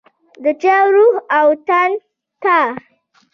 د چا روح او تن ته